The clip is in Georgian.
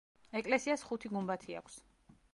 ეკლესიას ხუთი გუმბათი აქვს.